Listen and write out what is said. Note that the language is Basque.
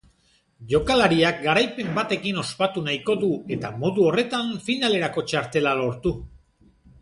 Jokalariak garaipen batekin ospatu nahiko du eta modu horretan finalerako txartela lortu.